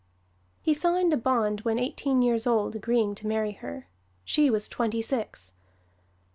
He signed a bond when eighteen years old agreeing to marry her; she was twenty six.